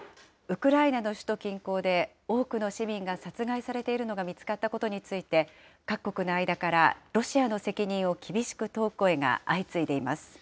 ウクライナの首都近郊で、多くの市民が殺害されているのが見つかったことについて、各国の間からロシアの責任を厳しく問う声が相次いでいます。